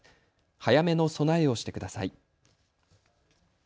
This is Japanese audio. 早めの備えをしてください。